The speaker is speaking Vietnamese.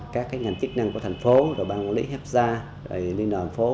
các ngành chức năng của thành phố bang quản lý hepsa liên đồng phố